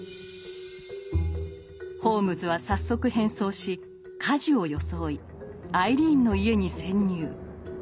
ホームズは早速変装し火事を装いアイリーンの家に潜入。